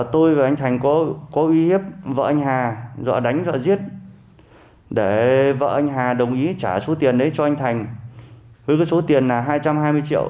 tôi và anh thành có uy hiếp vợ anh hà dọa đánh vợ giết để vợ anh hà đồng ý trả số tiền đấy cho anh thành với cái số tiền là hai trăm hai mươi triệu